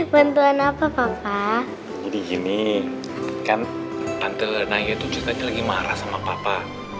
bantuan apa papa jadi gini kan pantai naya tuh juga lagi marah sama papa